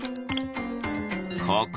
ここ！